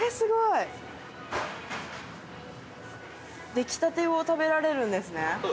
出来立てを食べられるんですね。